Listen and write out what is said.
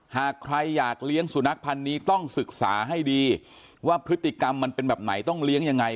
หากใครอยากเลี้ยงสุนัขพันธ์นี้ต้องศึกษาให้ดีว่าพฤติกรรมมันเป็นแบบไหนต้องเลี้ยงยังไง